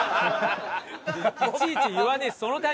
いちいち言わねえし。